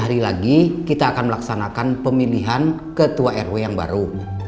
empat hari lagi kita akan melaksanakan pemilihan ketua rw yang baru